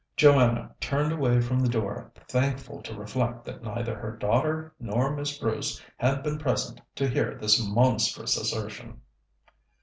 Joanna turned away from the door, thankful to reflect that neither her daughter nor Miss Bruce had been present to hear this monstrous assertion.